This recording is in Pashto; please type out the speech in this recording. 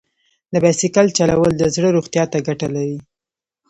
د بایسکل چلول د زړه روغتیا ته ګټه لري.